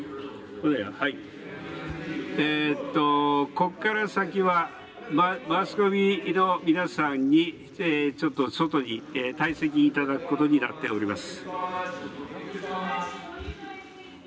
ここから先はマスコミの皆さんに外に退席いただくことになっております。